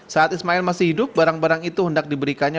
saat ismail masih hidup barang barang itu hendak diberikannya